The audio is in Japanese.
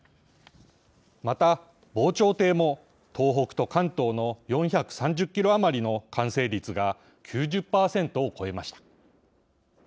また、防潮堤も、東北と関東の４３０キロ余りの完成率が９０％を超えました。